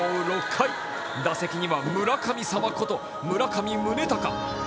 ６回、打席には村神様こと村上宗隆。